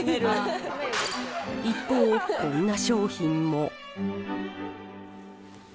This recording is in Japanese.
一方、こんな商品も。